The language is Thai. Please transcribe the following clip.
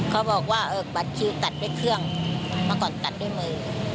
เขาบอกว่าบัตรคิวตัดด้วยเครื่องเมื่อก่อนตัดด้วยมือ